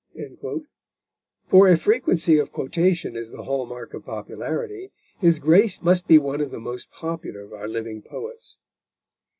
_" for if frequency of quotation is the hall mark of popularity, his Grace must be one of the most popular of our living poets.